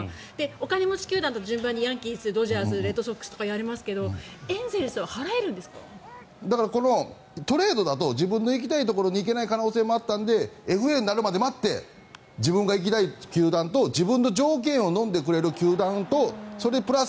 お金持ち球団とドジャースとかレッドソックスとかありますけどトレードだと自分の行きたいところに行けない可能性もあったのでＦＡになるまで待って自分が行きたい球団と自分の条件をのんでくれる球団とそれプラス